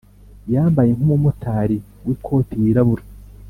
yambaye nkumumotari wikoti wirabura